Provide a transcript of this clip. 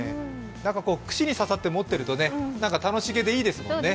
串に刺さって持ってると楽しげでいいですもんね。